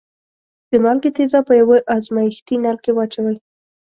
د مالګې تیزاب په یوه ازمیښتي نل کې واچوئ.